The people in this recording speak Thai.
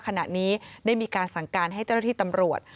ขณะนี้ได้มีการสั่งการให้เจ้าหน้าที่ตำรวจ